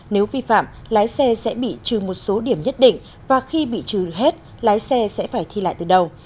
nếu vi phạm lái xe sẽ bị trừ một số điểm nhất định và khi bị trừ hết lái xe sẽ phải thi lại từ đầu